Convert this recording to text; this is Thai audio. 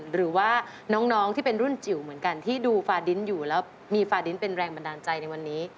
หรือว่าน้องที่เป็นรุ่นจิ๋วเหมือนกันที่ดูฟาดินอยู่แล้วมีฟาดินเป็นแรงบันดาลใจในวันนี้